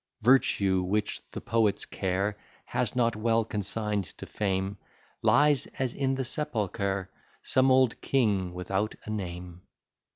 Virtue, which the poet's care Has not well consign'd to fame, Lies, as in the sepulchre Some old king, without a name.